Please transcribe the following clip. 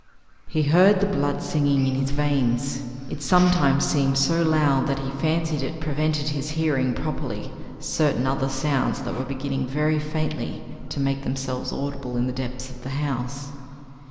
He heard the blood singing in his veins. It sometimes seemed so loud that he fancied it prevented his hearing properly certain other sounds that were beginning very faintly to make themselves audible in the depths of the house.